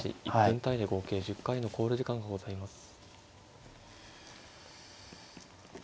１分単位で合計１０回の考慮時間がございます。